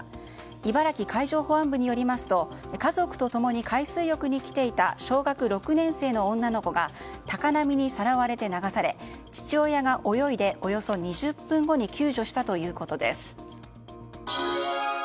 茨城海上保安部によりますと家族と共に海水浴に来ていた小学６年生の女の子が高波にさらわれて流され父親が泳いでおよそ２０分後に救助したということです。